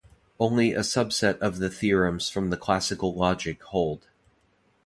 Only a subset of the theorems from the classical logic hold.